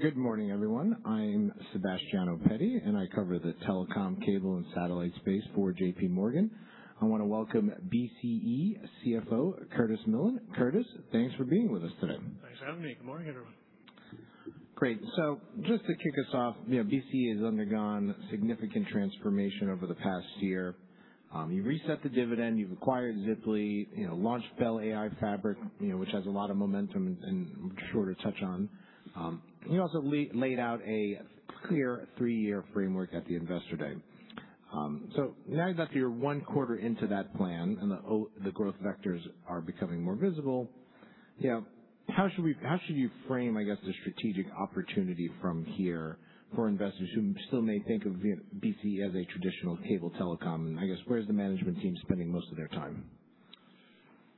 Good morning, everyone. I'm Sebastiano Petti, and I cover the telecom, cable, and satellite space for J.P. Morgan. I wanna welcome BCE CFO Curtis Millen. Curtis, thanks for being with us today. Thanks for having me. Good morning, everyone. Great. Just to kick us off, you know, BCE has undergone significant transformation over the past year. You've reset the dividend, you've acquired Ziply Fiber, you know, launched Bell AI Fabric, you know, which has a lot of momentum and I'm sure you'll touch on. You also laid out a clear three-year framework at the Investor Day. Now you're one quarter into that plan, and the growth vectors are becoming more visible. You know, how should you frame, I guess, the strategic opportunity from here for investors who still may think of BCE as a traditional cable telecom? I guess, where's the management team spending most of their time?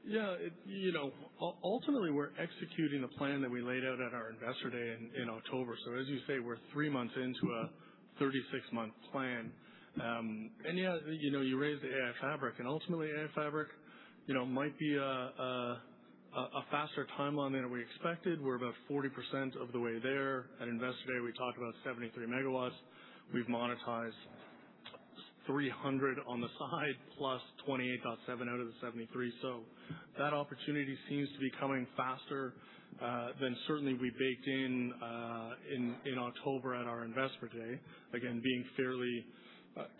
You know, ultimately, we're executing a plan that we laid out at our Investor Day in October. As you say, we're three months into a 36-month plan. You know, you raised the AI Fabric, ultimately AI Fabric, you know, might be a faster timeline than we expected. We're about 40% of the way there. At Investor Day, we talked about 73 MW. We've monetized 300 on the side, plus 28.7 out of the 73. That opportunity seems to be coming faster than certainly we baked in in October at our Investor Day. Again, being fairly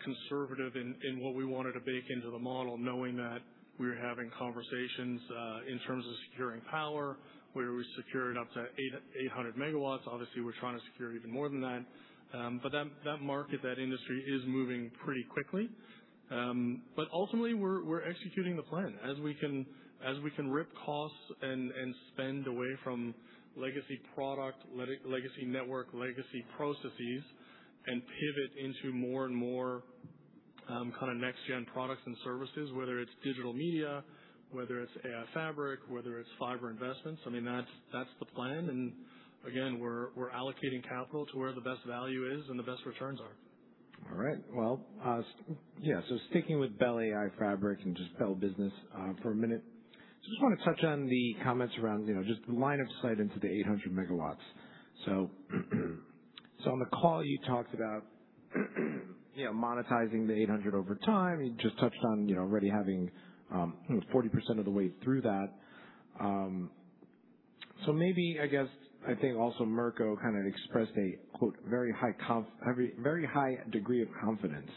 conservative in what we wanted to bake into the model, knowing that we were having conversations in terms of securing power, where we secured up to 800 MW. Obviously, we're trying to secure even more than that. That, that market, that industry is moving pretty quickly. Ultimately, we're executing the plan. As we can, as we can rip costs and spend away from legacy product, legacy network, legacy processes and pivot into more and more, kinda next gen products and services, whether it's digital media, whether it's AI Fabric, whether it's fiber investments, I mean, that's the plan. Again, we're allocating capital to where the best value is and the best returns are. All right. Well, sticking with Bell AI Fabric and just Bell Business for a minute. Just wanna touch on the comments around, you know, just the line of sight into the 800 MW. On the call, you talked about, you know, monetizing the 800 over time. You just touched on, you know, already having 40% of the way through that. Maybe, I guess, I think also Mirko kinda expressed a, quote, "Very, very high degree of confidence,"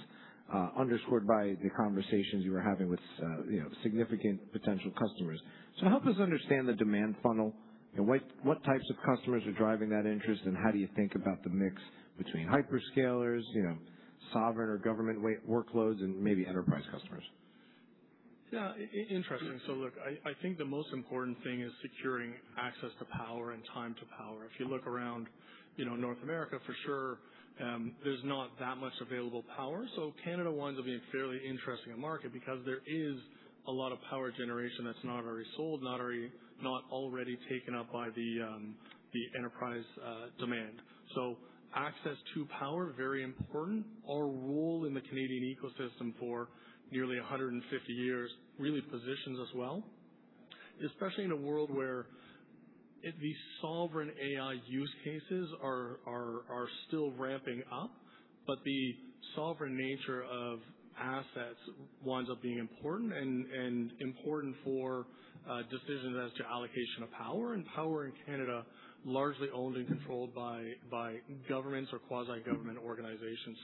underscored by the conversations you were having with, you know, significant potential customers. Help us understand the demand funnel. You know, what types of customers are driving that interest, and how do you think about the mix between hyperscalers, you know, sovereign or government workloads, and maybe enterprise customers? Yeah, interesting. Look, I think the most important thing is securing access to power and time to power. If you look around, you know, North America, for sure, there's not that much available power. Canada winds up being a fairly interesting market because there is a lot of power generation that's not already sold, not already taken up by the enterprise demand. Access to power, very important. Our role in the Canadian ecosystem for nearly 150 years really positions us well, especially in a world where the sovereign AI use cases are still ramping up, but the sovereign nature of assets winds up being important and important for decisions as to allocation of power. Power in Canada, largely owned and controlled by governments or quasi-government organizations.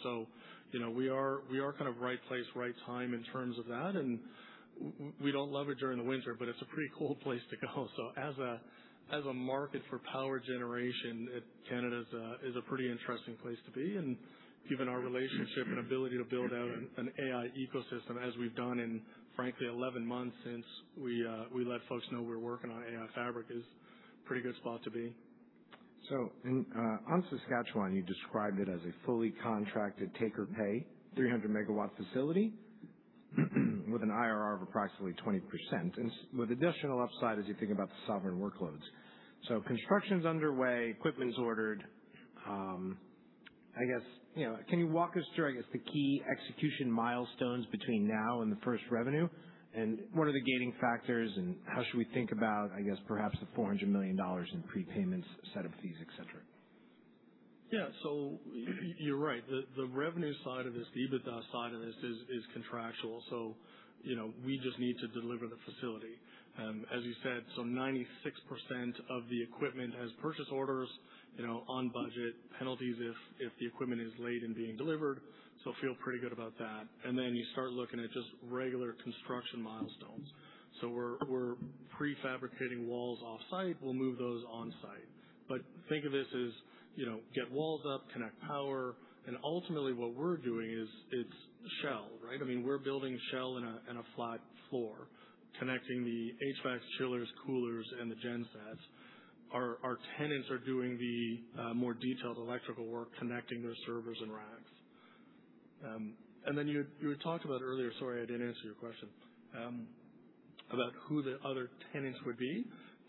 You know, we are, we are kind of right place, right time in terms of that. We don't love it during the winter, but it's a pretty cool place to go. As a market for power generation, Canada's is a pretty interesting place to be. Given our relationship and ability to build out an AI ecosystem as we've done in, frankly, 11 months since we let folks know we're working on AI Fabric is pretty good spot to be. In on Saskatchewan, you described it as a fully contracted take or pay 300 MW facility with an IRR of approximately 20% and with additional upside as you think about the sovereign workloads. Construction's underway, equipment's ordered. I guess, you know, can you walk us through, I guess, the key execution milestones between now and the first revenue? What are the gating factors, and how should we think about, I guess, perhaps the 400 million dollars in prepayments, set up fees, et cetera? Yeah. You're right. The revenue side of this, the EBITDA side of this is contractual. You know, we just need to deliver the facility. As you said, 96% of the equipment has purchase orders, you know, on budget, penalties if the equipment is late in being delivered, feel pretty good about that. You start looking at just regular construction milestones. We're prefabricating walls off-site. We'll move those on-site. Think of this as, you know, get walls up, connect power, and ultimately what we're doing is, it's shell, right? I mean, we're building a shell and a flat floor, connecting the HVAC chillers, coolers, and the gensets. Our tenants are doing the more detailed electrical work, connecting their servers and racks. Then you had talked about earlier, sorry, I didn't answer your question, about who the other tenants would be.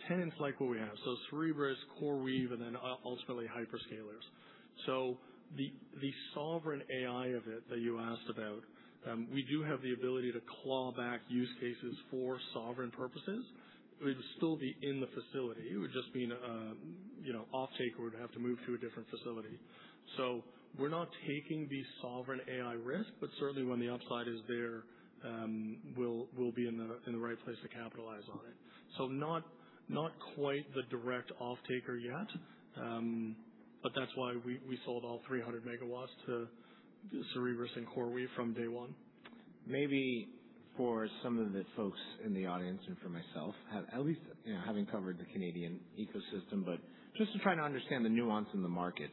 Tenants like what we have. Cerebras, CoreWeave, and then ultimately hyperscalers. The sovereign AI of it that you asked about, we do have the ability to claw back use cases for sovereign purposes. It would still be in the facility. It would just be in, you know, offtake, or it would have to move to a different facility. We're not taking the sovereign AI risk, but certainly when the upside is there, we'll be in the right place to capitalize on it. Not quite the direct offtaker yet. But that's why we sold all 300 MW to Cerebras and CoreWeave from day one. Maybe for some of the folks in the audience and for myself, at least, you know, having covered the Canadian ecosystem, but just to try to understand the nuance in the market.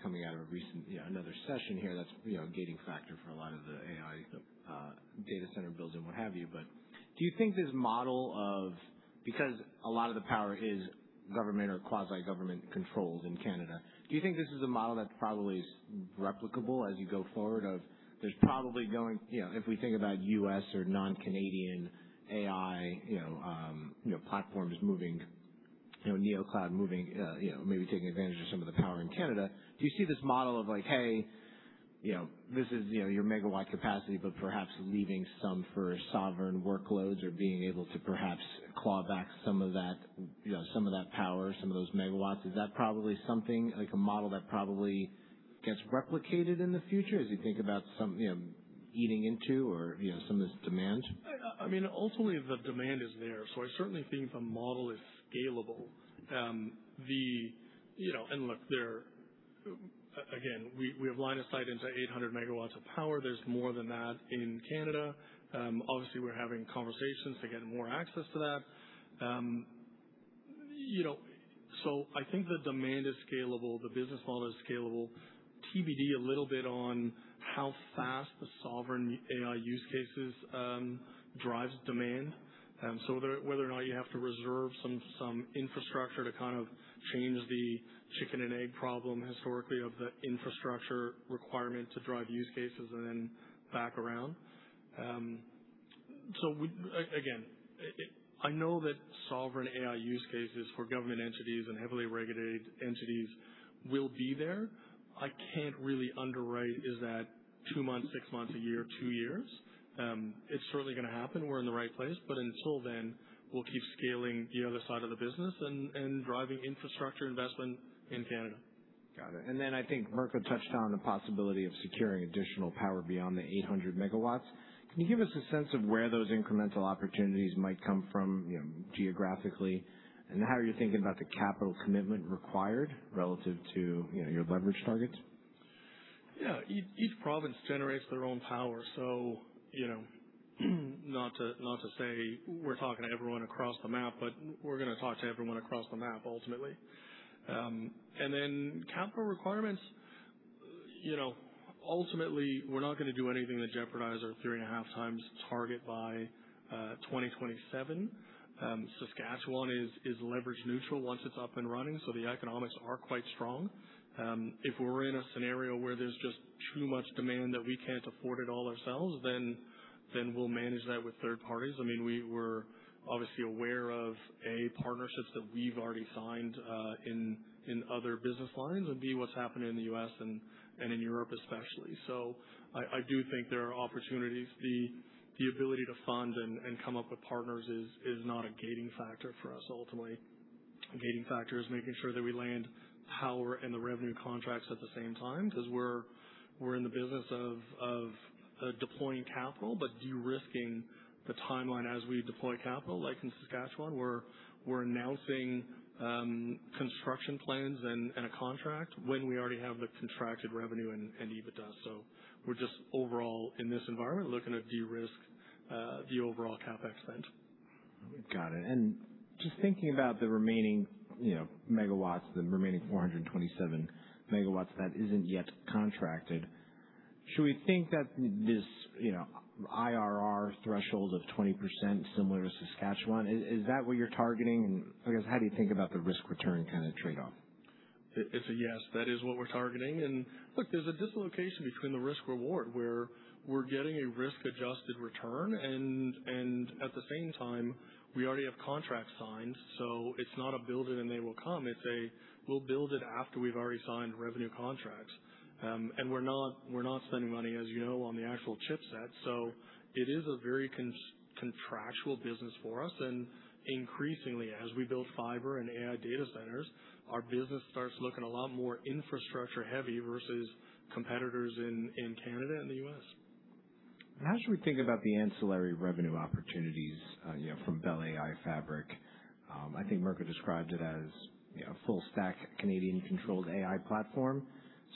-coming out of a recent, you know, another session here that's, you know, a gating factor for a lot of the AI data center builds and what have you. Because a lot of the power is government or quasi-government controlled in Canada, do you think this is a model that probably is replicable as you go forward of there's probably going You know, if we think about U.S. or non-Canadian AI, you know, platforms moving, you know, Neocloud moving, you know, maybe taking advantage of some of the power in Canada. Do you see this model of, like, hey, you know, this is, you know, your megawatt capacity, but perhaps leaving some for sovereign workloads or being able to perhaps claw back some of that, you know, some of that power, some of those MW. Is that probably something like a model that probably gets replicated in the future as you think about some, you know, eating into or, you know, some of this demand? I mean, ultimately the demand is there, I certainly think the model is scalable. You know, look, again, we have line of sight into 800 MW of power. There's more than that in Canada. Obviously we're having conversations to get more access to that. You know, I think the demand is scalable, the business model is scalable. TBD a little bit on how fast the sovereign AI use cases drives demand. Whether or not you have to reserve some infrastructure to kind of change the chicken and egg problem historically of the infrastructure requirement to drive use cases and then back around. Again, I know that sovereign AI use cases for government entities and heavily regulated entities will be there. I can't really underwrite is that two months, six months, one year, two years. It's certainly gonna happen. We're in the right place, but until then, we'll keep scaling the other side of the business and driving infrastructure investment in Canada. Got it. I think Mirko touched on the possibility of securing additional power beyond the 800 MW. Can you give us a sense of where those incremental opportunities might come from, you know, geographically? How are you thinking about the capital commitment required relative to, you know, your leverage targets? Yeah. Each province generates their own power. You know, not to say we're talking to everyone across the map, but we're gonna talk to everyone across the map ultimately. Capital requirements, you know, ultimately, we're not gonna do anything to jeopardize our 3.5 times target by 2027. Saskatchewan is leverage neutral once it's up and running, so the economics are quite strong. If we're in a scenario where there's just too much demand that we can't afford it all ourselves, then we'll manage that with third parties. I mean, we were obviously aware of, A, partnerships that we've already signed in other business lines, and B, what's happening in the U.S. and in Europe especially. The ability to fund and come up with partners is not a gating factor for us ultimately. A gating factor is making sure that we land power and the revenue contracts at the same time, 'cause we're in the business of deploying capital, but de-risking the timeline as we deploy capital. Like in Saskatchewan, we're announcing construction plans and a contract when we already have the contracted revenue and EBITDA. We're just overall in this environment, looking to de-risk the overall CapEx spend. Got it. Just thinking about the remaining, you know, MW, the remaining 427 MW that isn't yet contracted, should we think that this, you know, IRR threshold of 20% similar to Saskatchewan, is that what you're targeting? I guess, how do you think about the risk-return kind of trade-off? It's a yes. That is what we're targeting. Look, there's a dislocation between the risk reward where we're getting a risk-adjusted return and at the same time, we already have contracts signed, so it's not a build it and they will come. We'll build it after we've already signed revenue contracts. We're not spending money, as you know, on the actual chipset. It is a very contractual business for us. Increasingly, as we build fiber and AI data centers, our business starts looking a lot more infrastructure-heavy versus competitors in Canada and the U.S. How should we think about the ancillary revenue opportunities, you know, from Bell AI Fabric? I think Mirko described it as, you know, full stack Canadian controlled AI platform.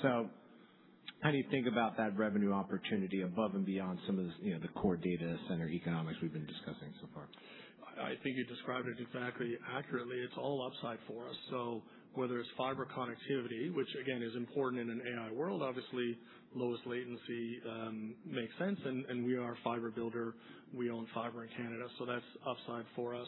How do you think about that revenue opportunity above and beyond some of the, you know, the core data center economics we've been discussing so far? I think you described it exactly accurately. It's all upside for us. Whether it's fiber connectivity, which again is important in an AI world, obviously, lowest latency, makes sense. We are a fiber builder. We own fiber in Canada, that's upside for us.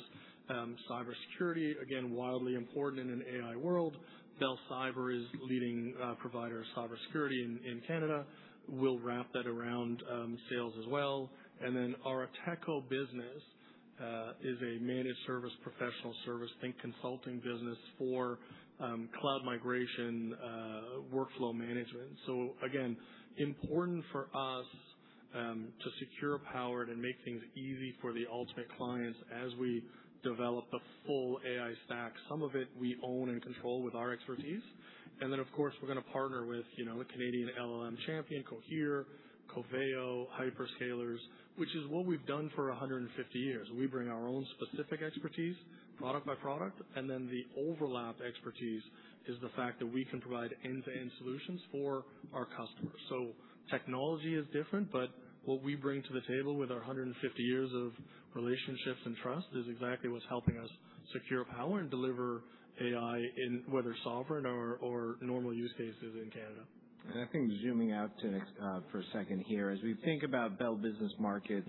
Cybersecurity, again, wildly important in an AI world. Bell Cyber is leading provider of cybersecurity in Canada. We'll wrap that around sales as well. Our Ateko business is a managed service, professional service, think consulting business for cloud migration, workflow management. Again, important for us to secure power and make things easy for the ultimate clients as we develop the full AI stack. Some of it we own and control with our expertise. Of course, we're gonna partner with, you know, a Canadian LLM champion, Cohere, Coveo, hyperscalers, which is what we've done for 150 years. We bring our own specific expertise product by product, and then the overlap expertise is the fact that we can provide end-to-end solutions for our customers. Technology is different, but what we bring to the table with our 150 years of relationships and trust is exactly what's helping us secure power and deliver AI in whether sovereign or normal use cases in Canada. I think zooming out for a second here, as we think about Bell Business Markets,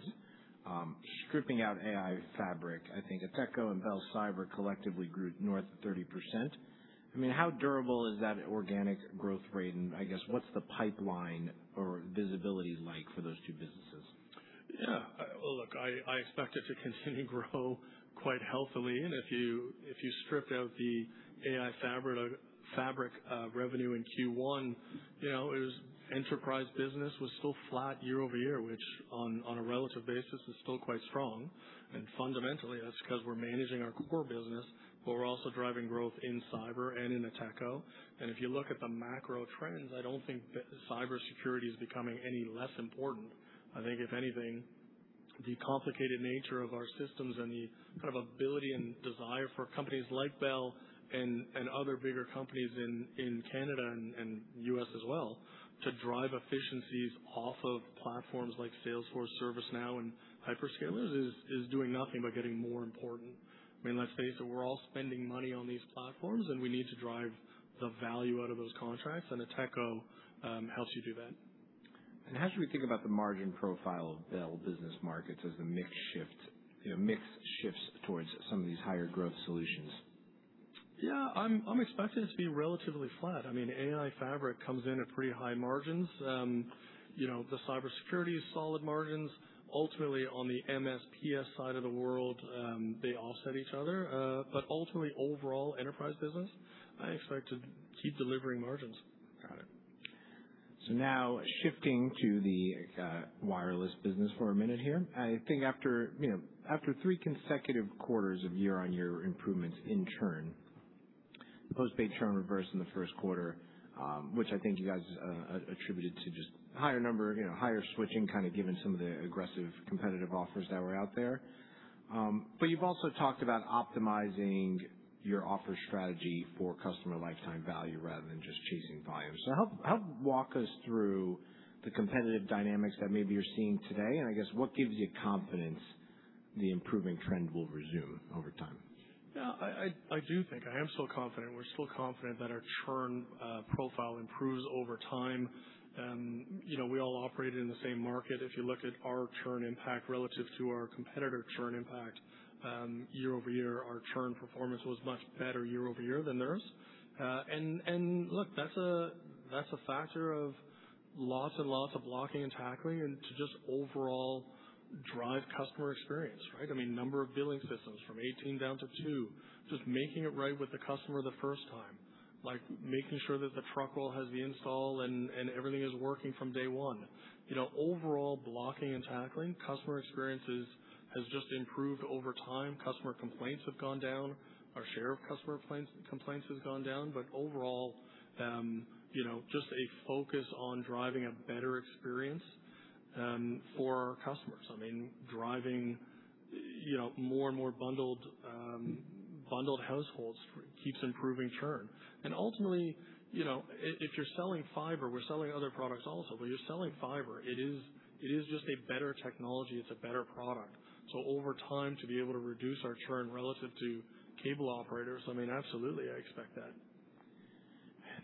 stripping out AI Fabric, I think Ateko and Bell Cyber collectively grew north of 30%. I mean, how durable is that organic growth rate? I guess what's the pipeline or visibility like for those two businesses? Yeah. Look, I expect it to continue to grow quite healthily. If you strip out the AI Fabric revenue in Q1, you know, it was enterprise business was still flat year-over-year, which on a relative basis is still quite strong. Fundamentally, that's because we're managing our core business, but we're also driving growth in Cyber and in Ateko. If you look at the macro trends, I don't think that cybersecurity is becoming any less important. I think, if anything, the complicated nature of our systems and the kind of ability and desire for companies like Bell and other bigger companies in Canada and U.S. as well to drive efficiencies off of platforms like Salesforce, ServiceNow, and hyperscalers is doing nothing but getting more important. I mean, let's face it, we're all spending money on these platforms, and we need to drive the value out of those contracts, and Ateko helps you do that. How should we think about the margin profile of Bell Business Markets as the mix shift, you know, mix shifts towards some of these higher growth solutions? Yeah. I'm expecting it to be relatively flat. I mean, Bell AI Fabric comes in at pretty high margins. You know, Bell Cyber is solid margins. Ultimately, on the MSP side of the world, they offset each other. Ultimately, overall enterprise business, I expect to keep delivering margins. Got it. Now shifting to the wireless business for a minute here. I think after, you know, after three consecutive quarters of year-on-year improvements in churn, postpaid churn reversed in the first quarter, which I think you guys attributed to just higher number, you know, higher switching, kinda given some of the aggressive competitive offers that were out there. You've also talked about optimizing your offer strategy for customer lifetime value rather than just chasing volume. Help walk us through the competitive dynamics that maybe you're seeing today, and I guess what gives you confidence the improving trend will resume over time? Yeah. I do think I am still confident. We're still confident that our churn profile improves over time. You know, we all operate in the same market. If you look at our churn impact relative to our competitor churn impact, year-over-year, our churn performance was much better year-over-year than theirs. Look, that's a factor of lots and lots of blocking and tackling and to just overall drive customer experience, right? I mean, number of billing systems from 18 down to 2. Just making it right with the customer the first time. Like making sure that the truck well has the install and everything is working from day one. You know, overall blocking and tackling, customer experiences has just improved over time. Customer complaints have gone down. Our share of customer complaints has gone down. Overall, you know, just a focus on driving a better experience for our customers. I mean, driving, you know, more and more bundled households keeps improving churn. Ultimately, you know, if you're selling fiber, we're selling other products also, but you're selling fiber, it is just a better technology. It's a better product. Over time, to be able to reduce our churn relative to cable operators, I mean, absolutely, I expect that.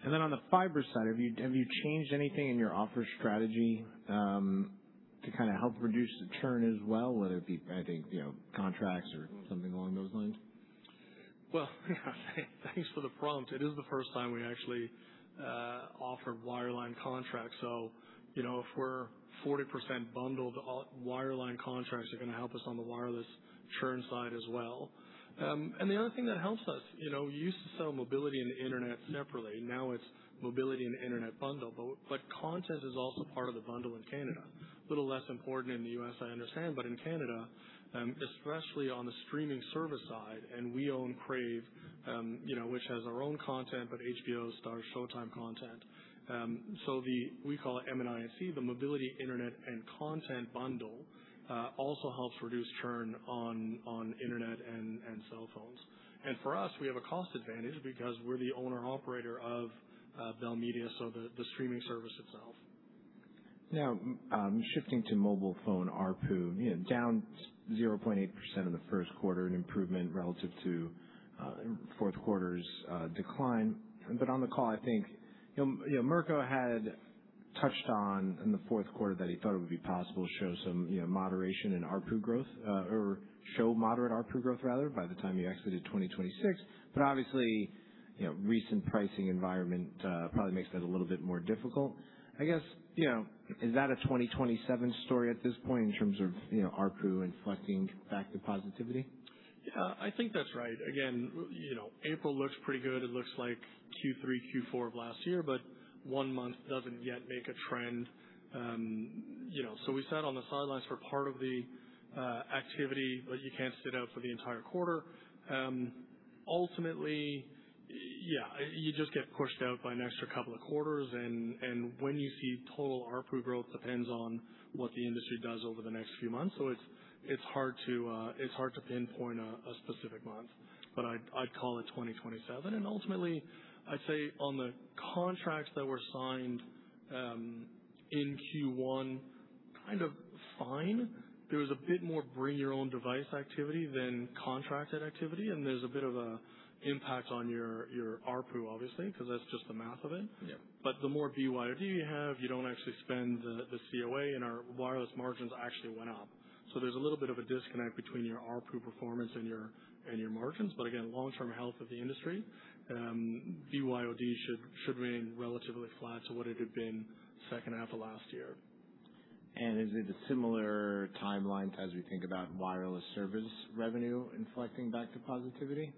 Then on the fiber side, have you changed anything in your offer strategy, to kind of help reduce the churn as well, whether it be, I think, you know, contracts or something along those lines? Thanks for the prompt. It is the first time we actually offered wireline contracts. You know, if we're 40% bundled, all wireline contracts are gonna help us on the wireless churn side as well. The other thing that helps us, you know, we used to sell mobility and internet separately. Now it's mobility and internet bundle, but content is also part of the bundle in Canada. A little less important in the U.S., I understand. In Canada, especially on the streaming service side, and we own Crave, you know, which has our own content, but HBO Starz Showtime content. The we call it MNIC, the Mobility, Internet, and Content bundle, also helps reduce churn on internet and cell phones. For us, we have a cost advantage because we're the owner-operator of Bell Media, so the streaming service itself. Now, shifting to mobile phone ARPU, you know, down 0.8% in the first quarter, an improvement relative to fourth quarter's decline. On the call, I think, you know, you know, Mirko Touched on in the fourth quarter that he thought it would be possible to show some, you know, moderation in ARPU growth, or show moderate ARPU growth rather by the time you exited 2026. Obviously, you know, recent pricing environment, probably makes that a little bit more difficult. I guess, you know, is that a 2027 story at this point in terms of, you know, ARPU inflecting back to positivity? Yeah, I think that's right. Again, you know, April looks pretty good. It looks like Q3, Q4 of last year, but one month doesn't yet make a trend. You know, so we sat on the sidelines for part of the activity, but you can't sit out for the entire quarter. Ultimately, you just get pushed out by an extra two quarters and when you see total ARPU growth depends on what the industry does over the next few months. It's hard to pinpoint a specific month, but I'd call it 2027. Ultimately I'd say on the contracts that were signed in Q1, kind of fine. There was a bit more bring your own device activity than contracted activity. There's a bit of an impact on your ARPU obviously, 'cause that's just the math of it. Yeah. The more BYOD you have, you don't actually spend the COA and our wireless margins actually went up. There's a little bit of a disconnect between your ARPU performance and your margins. Again, long-term health of the industry, BYOD should remain relatively flat to what it had been second half of last year. Is it a similar timeline as we think about wireless service revenue inflecting back to positivity?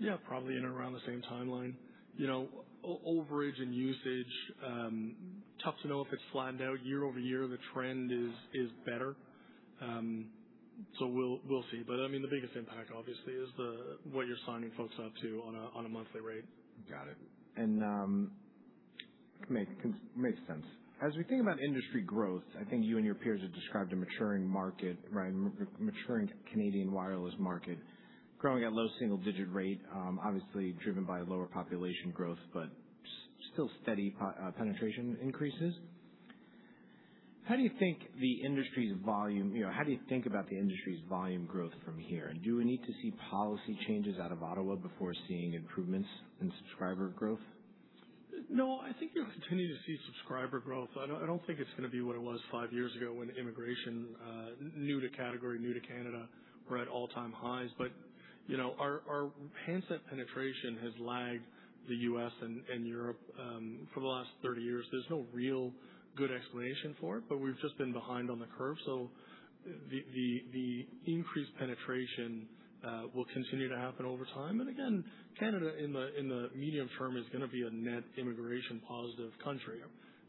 Yeah, probably in around the same timeline. You know, overage and usage, tough to know if it's flattened out year-over-year. The trend is better. We'll see. I mean, the biggest impact obviously is the what you're signing folks up to on a monthly rate. Got it. Makes sense. As we think about industry growth, I think you and your peers have described a maturing market, right? Maturing Canadian wireless market growing at low single-digit rate, obviously driven by lower population growth, but still steady penetration increases. How do you think the industry's volume, you know, how do you think about the industry's volume growth from here? Do we need to see policy changes out of Ottawa before seeing improvements in subscriber growth? No, I think you'll continue to see subscriber growth. I don't think it's gonna be what it was fiveyears ago when immigration, new to category, new to Canada were at all-time highs. You know, our handset penetration has lagged the U.S. and Europe for the last 30 years. There's no real good explanation for it, but we've just been behind on the curve. The increased penetration will continue to happen over time. Again, Canada in the medium term is gonna be a net immigration positive country.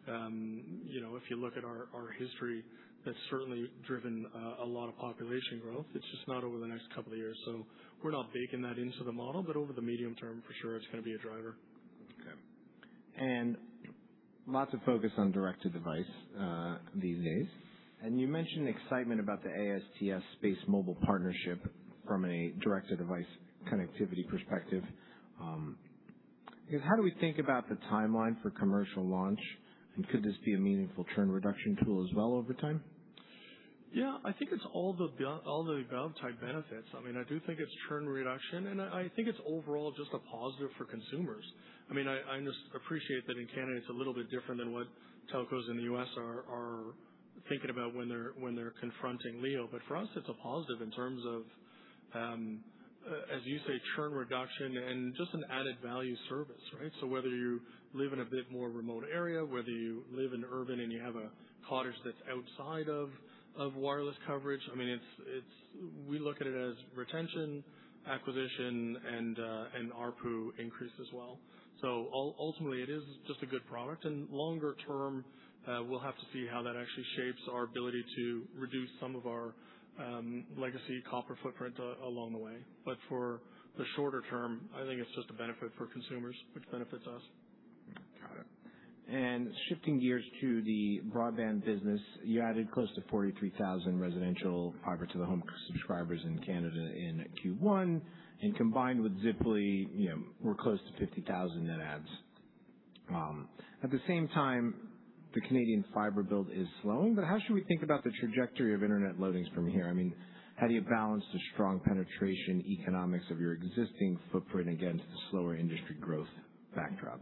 You know, if you look at our history, that's certainly driven a lot of population growth. It's just not over the next 2 years, so we're not baking that into the model. Over the medium term for sure it's gonna be a driver. Okay. Lots of focus on direct-to-device these days. You mentioned excitement about the AST SpaceMobile partnership from a direct-to-device connectivity perspective. I guess, how do we think about the timeline for commercial launch? Could this be a meaningful churn reduction tool as well over time? Yeah, I think it's all the above type benefits. I mean, I do think it's churn reduction and I think it's overall just a positive for consumers. I mean, I appreciate that in Canada it's a little bit different than what telcos in the U.S. are thinking about when they're confronting LEO. For us, it's a positive in terms of, as you say, churn reduction and just an added value service, right. Whether you live in a bit more remote area, whether you live in urban and you have a cottage that's outside of wireless coverage, I mean, we look at it as retention, acquisition and ARPU increase as well. Ultimately it is just a good product and longer term, we'll have to see how that actually shapes our ability to reduce some of our legacy copper footprint along the way. For the shorter term, I think it's just a benefit for consumers, which benefits us. Got it. Shifting gears to the broadband business, you added close to 43,000 residential fiber to the home subscribers in Canada in Q1. Combined with Ziply, you know, we're close to 50,000 net adds. At the same time, the Canadian fiber build is slowing, but how should we think about the trajectory of internet loadings from here? I mean, how do you balance the strong penetration economics of your existing footprint against the slower industry growth backdrop?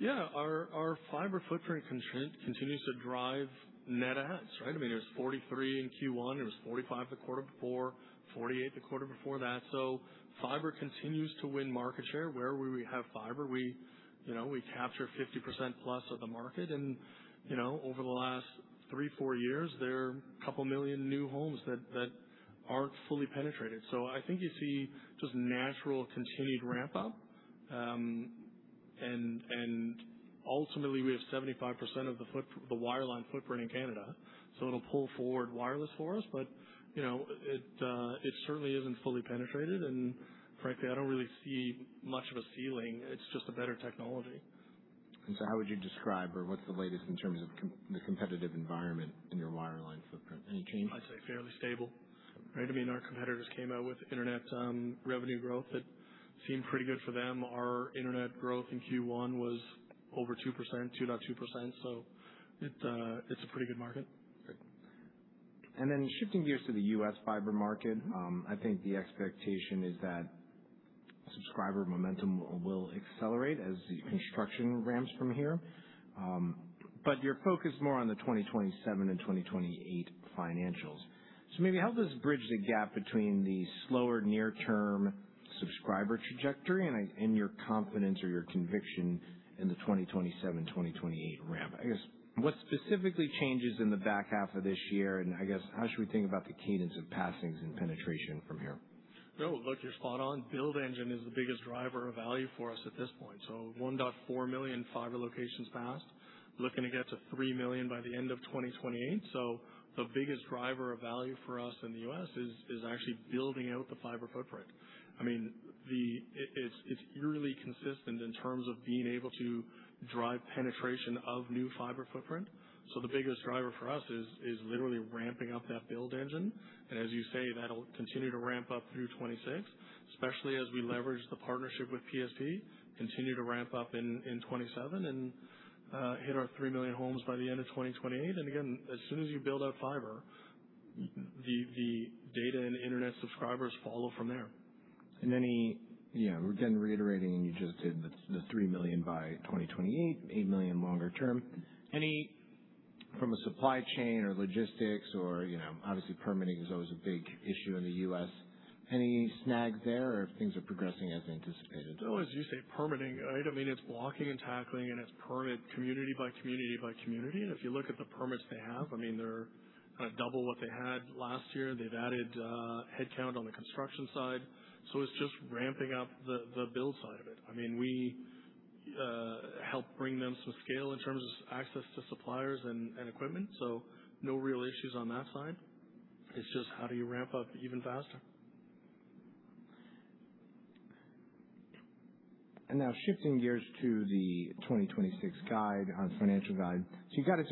Yeah. Our fiber footprint continues to drive net adds, right? I mean, there's 43 in Q1, there was 45 the quarter before, 48 the quarter before that. Fiber continues to win market share. Wherever we have fiber, we, you know, we capture 50% plus of the market. You know, over the last three, four years, there are a couple million new homes that aren't fully penetrated. I think you see just natural continued ramp up. And ultimately we have 75% of the wireline footprint in Canada, it'll pull forward wireless for us. You know, it certainly isn't fully penetrated and frankly, I don't really see much of a ceiling. It's just a better technology. How would you describe or what's the latest in terms of the competitive environment in your wireline footprint? Any change? I'd say fairly stable, right? I mean, our competitors came out with internet revenue growth that seemed pretty good for them. Our internet growth in Q1 was over 2%, 2.2%. It's a pretty good market. Great. Shifting gears to the U.S. fiber market, I think the expectation is that subscriber momentum will accelerate as the construction ramps from here. You're focused more on the 2027 and 2028 financials. Maybe help us bridge the gap between the slower near-term subscriber trajectory and your confidence or your conviction in the 2027, 2028 ramp. I guess, what specifically changes in the back half of this year? I guess, how should we think about the cadence of passings and penetration from here? No, look, you're spot on. Build engine is the biggest driver of value for us at this point. 1.4 million fiber locations passed. Looking to get to 3 million by the end of 2028. The biggest driver of value for us in the U.S. is actually building out the fiber footprint. I mean, it's yearly consistent in terms of being able to drive penetration of new fiber footprint. The biggest driver for us is literally ramping up that build engine. As you say, that'll continue to ramp up through 2026, especially as we leverage the partnership with PSE, continue to ramp up in 2027 and hit our 3 million homes by the end of 2028. Again, as soon as you build out fiber, the data and internet subscribers follow from there. Yeah, again, reiterating what you just did, the 3 million by 2028, 8 million longer term. From a supply chain or logistics or, you know, obviously permitting is always a big issue in the U.S. Any snags there or if things are progressing as anticipated? No, as you say, permitting. I mean, it's blocking and tackling, and it's permit community by community by community. If you look at the permits they have, I mean, they're kinda double what they had last year. They've added headcount on the construction side. It's just ramping up the build side of it. I mean, we help bring them some scale in terms of access to suppliers and equipment, so no real issues on that side. It's just how do you ramp up even faster. Now shifting gears to the 2026 guide on financial guide. You guided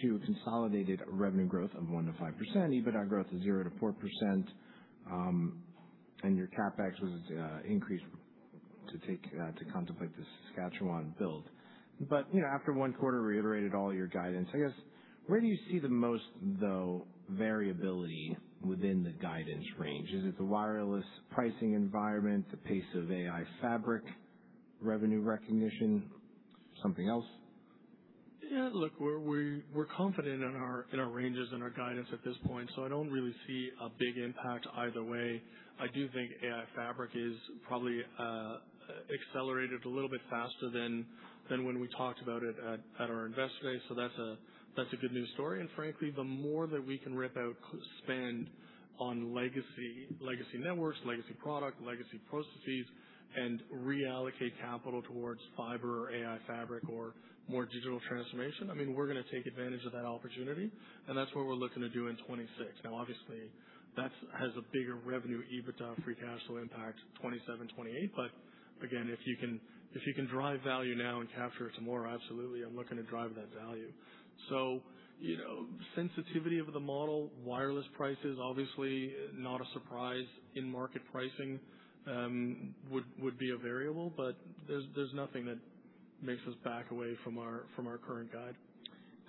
to consolidated revenue growth of 1%-5%, EBITDA growth of 0%-4%, and your CapEx was increased to take to contemplate the Saskatchewan build. You know, after one quarter, reiterated all your guidance. I guess, where do you see the most, though, variability within the guidance range? Is it the wireless pricing environment, the pace of AI Fabric, revenue recognition, something else? Yeah, look, we're confident in our ranges and our guidance at this point. I don't really see a big impact either way. I do think Bell AI Fabric is probably accelerated a little bit faster than when we talked about it at our Investor Day. That's a good news story. Frankly, the more that we can rip out spend on legacy networks, legacy product, legacy processes, and reallocate capital towards fiber or Bell AI Fabric or more digital transformation, I mean, we're going to take advantage of that opportunity. That's what we're looking to do in 2026. Now, obviously, that's has a bigger revenue, EBITDA, free cash flow impact 2027, 2028. Again, if you can drive value now and capture some more, absolutely, I'm looking to drive that value. You know, sensitivity of the model, wireless prices, obviously not a surprise in market pricing, would be a variable. There's nothing that makes us back away from our current guide.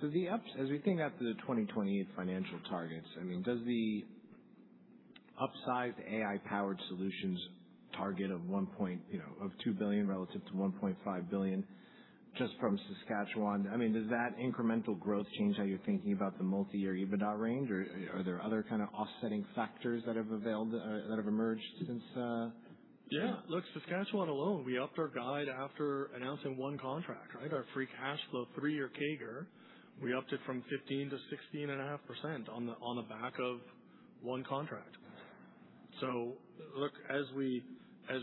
As we think out to the 2028 financial targets, I mean, does the upsized AI-powered solutions target of You know, 2 billion relative to 1.5 billion just from Saskatchewan. I mean, does that incremental growth change how you're thinking about the multi-year EBITDA range? Or are there other kind of offsetting factors that have availed, that have emerged since? Yeah. Look, Saskatchewan alone, we upped our guide after announcing one contract. Our free cash flow 3-year CAGR, we upped it from 15 to 16.5% on the back of one contract. Look, as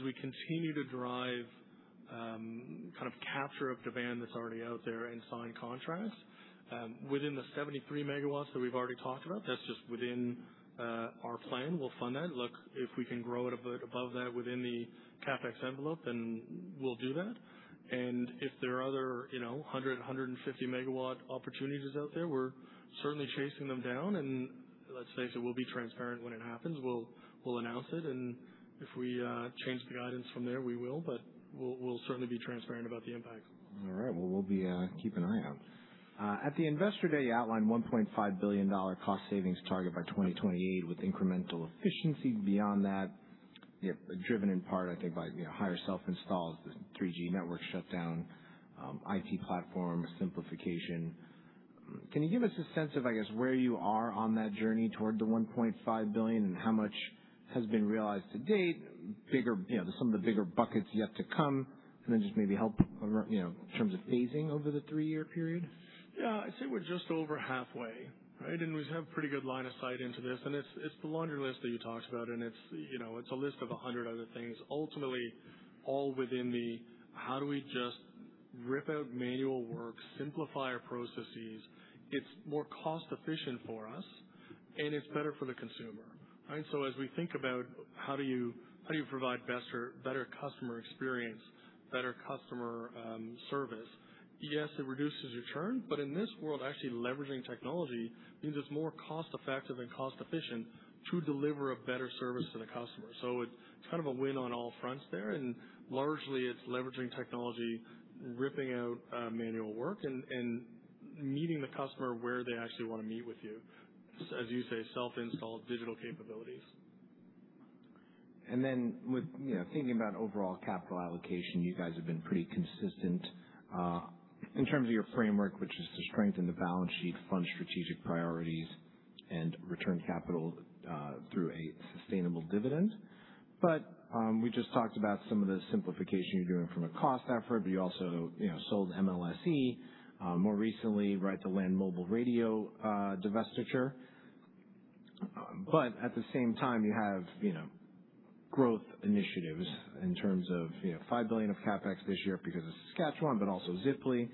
we continue to drive capture of demand that's already out there and sign contracts within the 73 MW that we've already talked about, that's just within our plan. We'll fund that. Look, if we can grow it above that within the CapEx envelope, we'll do that. If there are other, you know, 100, 150 MW opportunities out there, we're certainly chasing them down. Let's face it, we'll be transparent when it happens. We'll announce it, and if we change the guidance from there, we will. We'll certainly be transparent about the impact. All right. Well, we'll be keep an eye out. At the Investor Day, you outlined 1.5 billion dollar cost savings target by 2028 with incremental efficiency beyond that, driven in part, I think, by, you know, higher self-installs, the 3G network shutdown, IT platform simplification. Can you give us a sense of, I guess, where you are on that journey toward the 1.5 billion and how much has been realized to date, You know, some of the bigger buckets yet to come, and then just maybe help, you know, in terms of phasing over the three-year period? Yeah. I'd say we're just over halfway, right? We have pretty good line of sight into this, and it's the laundry list that you talked about, and you know, it's a list of 100 other things, ultimately all within the how do we just rip out manual work, simplify our processes. It's more cost efficient for us, it's better for the consumer, right? As we think about how do you provide better customer experience, better customer service. Yes, it reduces return, in this world, actually leveraging technology means it's more cost effective and cost efficient to deliver a better service to the customer. It's kind of a win on all fronts there. Largely, it's leveraging technology, ripping out manual work and meeting the customer where they actually wanna meet with you. Just as you say, self-installed digital capabilities. With, you know, thinking about overall capital allocation, you guys have been pretty consistent in terms of your framework, which is to strengthen the balance sheet, fund strategic priorities, and return capital through a sustainable dividend. We just talked about some of the simplification you're doing from a cost effort, but you also, you know, sold MLSE more recently, right to Land Mobile Radio divestiture. At the same time, you have, you know, growth initiatives in terms of, you know, 5 billion of CapEx this year because of Saskatchewan, but also Ziply.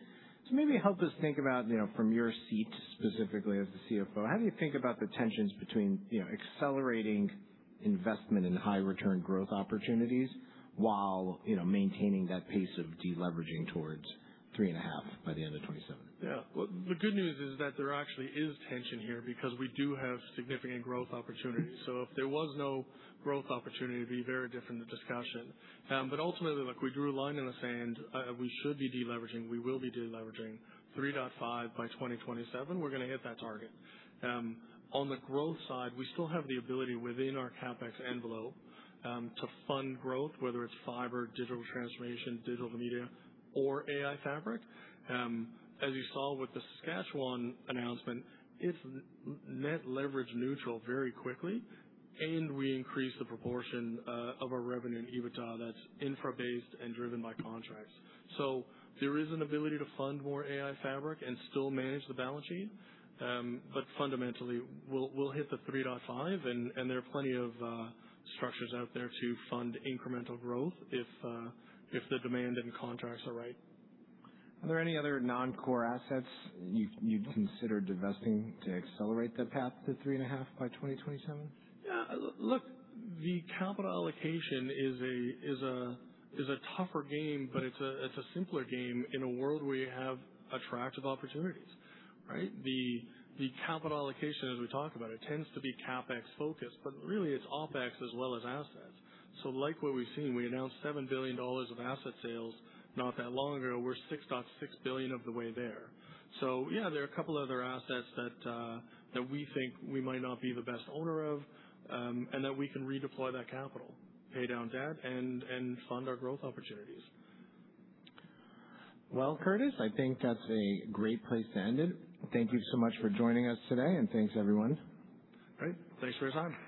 Maybe help us think about, you know, from your seat specifically as the CFO, how do you think about the tensions between, you know, accelerating investment and high return growth opportunities while, you know, maintaining that pace of deleveraging towards 3.5 by the end of 2027? The good news is that there actually is tension here because we do have significant growth opportunities. If there was no growth opportunity, it'd be very different, the discussion. Ultimately, look, we drew a line in the sand. We should be deleveraging. We will be deleveraging. 3.5 by 2027, we're gonna hit that target. On the growth side, we still have the ability within our CapEx envelope to fund growth, whether it's fiber, digital transformation, digital media, or AI fabric. As you saw with the Saskatchewan announcement, it's net leverage neutral very quickly, and we increase the proportion of our revenue and EBITDA that's infra-based and driven by contracts. There is an ability to fund more AI fabric and still manage the balance sheet. Fundamentally, we'll hit the 3.5 and there are plenty of structures out there to fund incremental growth if the demand and contracts are right. Are there any other non-core assets you've considered divesting to accelerate the path to three and a half by 2027? Look, the capital allocation is a tougher game, but it's a simpler game in a world where you have attractive opportunities, right? The capital allocation, as we talk about it, tends to be CapEx focused, but really it's OpEx as well as assets. Like what we've seen, we announced 7 billion dollars of asset sales not that long ago. We're 6.6 billion of the way there. There are a couple other assets that we think we might not be the best owner of, and that we can redeploy that capital, pay down debt and fund our growth opportunities. Well, Curtis, I think that's a great place to end it. Thank you so much for joining us today, and thanks everyone. Great. Thanks for your time.